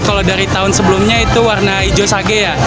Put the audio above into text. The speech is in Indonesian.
kalau dari tahun sebelumnya itu warna hijau sage ya